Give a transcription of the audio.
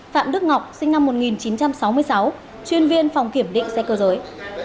phạm đức ngọc sinh năm một nghìn chín trăm sáu mươi sáu chuyên viên phòng kiểm định xe cơ giới